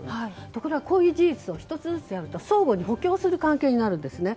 ところがこういう事実が１つ１つあると相互に補強する関係になるんですね。